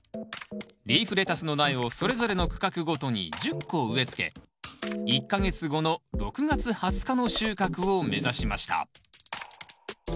リーフレタスの苗をそれぞれの区画ごとに１０個植えつけ１か月後の６月２０日の収穫を目指しました。